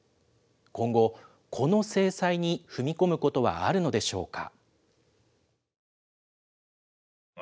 今後、この制裁に踏み込むことはあるのでしょうか。